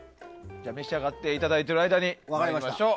召し上がっていただいてる間に参りましょう。